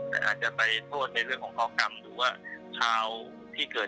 แต่อาจจะไปโทษในเรื่องของข้อกรรมหรือว่าคราวที่เกิด